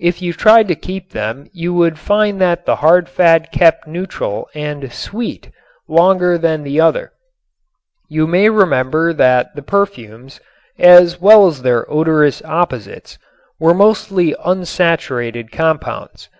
If you tried to keep them you would find that the hard fat kept neutral and "sweet" longer than the other. You may remember that the perfumes (as well as their odorous opposites) were mostly unsaturated compounds.